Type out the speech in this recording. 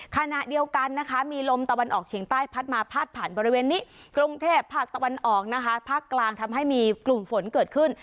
ขณะเดียวกันนะคะมีลมตะวันออกเฉียงใต้พัดมาพาดผ่านบริเวณนี้กรุงเทพภาคตะวันออกนะคะภาคกลางทำให้มีกลุ่มฝนเกิดขึ้น